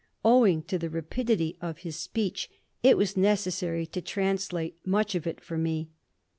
Owing to the rapidity of his speech, it was necessary to translate much of it for me.